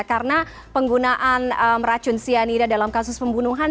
karena penggunaan racun cyanida dalam kasus pembunuhan